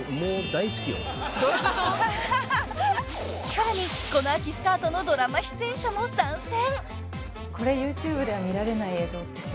［さらにこの秋スタートのドラマ出演者も参戦］